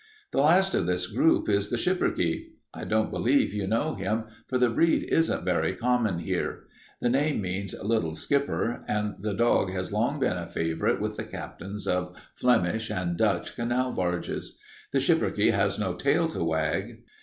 "The last of this group is the schipperke. I don't believe you know him, for the breed isn't very common here. The name means 'little skipper,' and the dog has long been a favorite with the captains of Flemish and Dutch canal barges. The schipperke has no tail to wag.